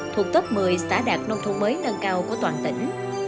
thuộc tốc một mươi xã đạt nông thôn mới nâng cao của toàn tỉnh